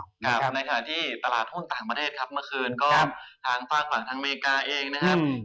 ในขณะที่ตลาดหุ้นต่างประเทศครับเมื่อคืนก็ทางภาคหลังทางอเมริกาเองนะครับ